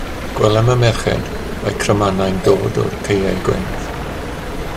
Gwelem y merched a'u crymanau'n dod o'r caeau gwenith.